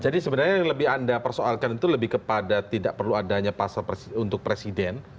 jadi sebenarnya yang lebih anda persoalkan itu lebih kepada tidak perlu adanya pasar untuk presiden